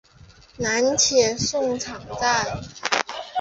南铁送场站。